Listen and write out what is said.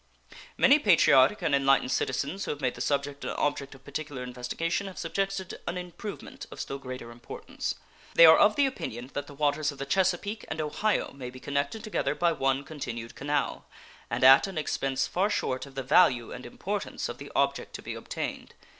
Many patriotic and enlightened citizens who have made the subject an object of particular investigation have suggested an improvement of still greater importance. They are of the opinion that the waters of the Chesapeake and Ohio may be connected together by one continued canal, and at an expense far short of the value and importance of the object to be obtained.